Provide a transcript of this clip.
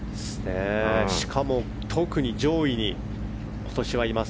しかも特に上位に今年はいます。